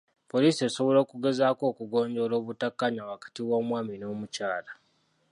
Poliisi esobola okugezaako okugonjoola obutakkaanya wakati w'omwami n'omukyala.